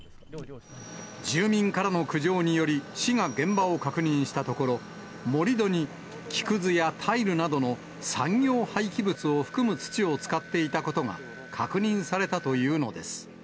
住民からの苦情により、市が現場を確認したところ、盛り土に木くずやタイルなどの産業廃棄物を含む土を使っていたことが確認されたというのです。